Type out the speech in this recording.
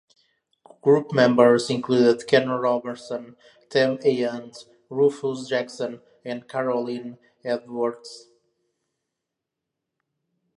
Group members included Ken Roberson, Tamm E Hunt, Rufus Jackson and Carolyn Edwards.